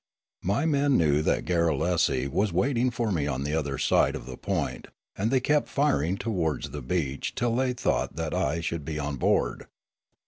My men knew that Garrulesi was waiting for me on the other side of the point, and they kept firing towards the beach till they thought that I should be on board.